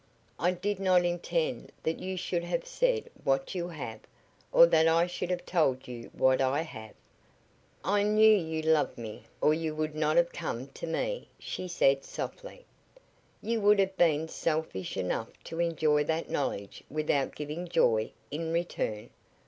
"I did not intend that you should have said what you have, or that I should have told you what I have. I knew you loved me or you would not have come to me," she said, softly. "You would have been selfish enough to enjoy that knowledge without giving joy in return.